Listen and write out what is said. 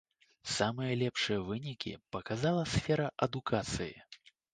Самыя лепшыя вынікі паказала сфера адукацыі.